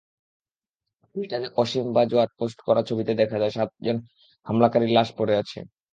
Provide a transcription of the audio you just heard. টুইটারে অসীম বাজওয়ার পোস্ট করা ছবিতে দেখা যায়, সাতজন হামলাকারীর লাশ পড়ে আছে।